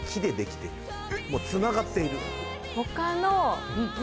もうつながっている。